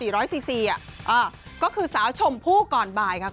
สี่ร้อยซีซีอ่ะอ่าก็คือสาวชมผู้ก่อนบ่ายค่ะคุณ